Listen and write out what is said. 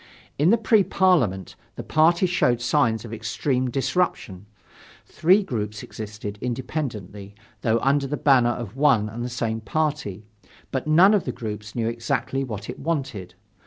In the Pre Parliament, the party showed signs of extreme disruption: three groups existed independently, though under the banner of one and the same party, but none of the groups knew exactly what it wanted.